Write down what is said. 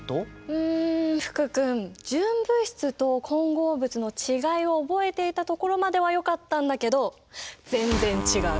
うん福君純物質と混合物の違いを覚えていたところまではよかったんだけど全然違う。